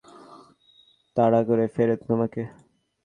ছবিতে আঁকা মূর্তির মতো ওর চোখ তাড়া করে ফেরে তোমাকে।